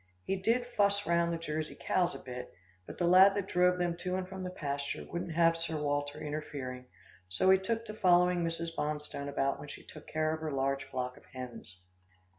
He did fuss round the Jersey cows a bit, but the lad that drove them to and from the pasture wouldn't have Sir Walter interfering, so he took to following Mrs. Bonstone about when she took care of her large flock of hens.